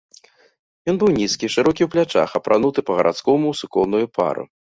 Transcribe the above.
Ён быў нізкі, шырокі ў плячах, апрануты па-гарадскому ў суконную пару.